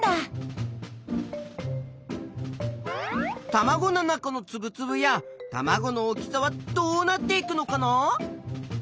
たまごの中のつぶつぶやたまごの大きさはどうなっていくのかな。